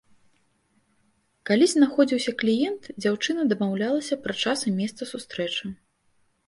Калі знаходзіўся кліент, дзяўчына дамаўлялася пра час і месца сустрэчы.